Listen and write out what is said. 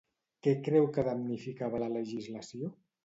Què creu que damnificava la legislació?